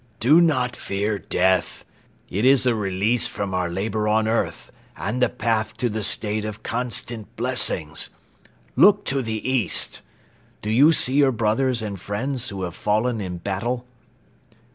"Do not fear death! It is a release from our labor on earth and the path to the state of constant blessings. Look to the East! Do you see your brothers and friends who have fallen in battle?"